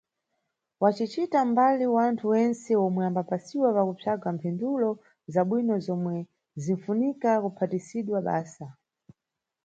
Wacicita mbali wanthu wentse omwe ambapasiwa pakupsaga mphindulo zabwino zomwe zinʼfunika kuphatisidwa basa.